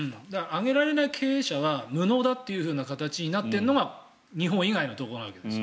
上げられない経営者は無能だという形になっているのが日本以外のところなわけです。